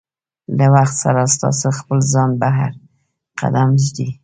له وخت سره ستاسو خپل ځان بهر قدم ږدي.